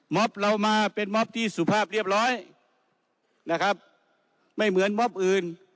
เรามาเป็นม็อบที่สุภาพเรียบร้อยนะครับไม่เหมือนม็อบอื่น